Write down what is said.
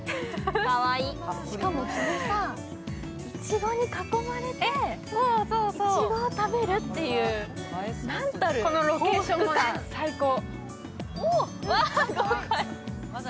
しかもいちごに囲まれていちごを食べるっていう、なんていうこのロケーションも最高。